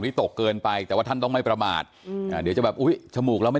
วิตกเกินไปแต่ว่าท่านต้องไม่ประมาทเดี๋ยวจะแบบชมูกเราไม่